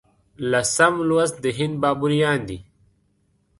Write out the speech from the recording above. لسم لوست د هند بابریان دي.